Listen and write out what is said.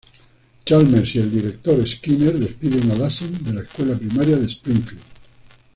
Chalmers y el Director Skinner despiden a Lassen de la Escuela Primaria de Springfield.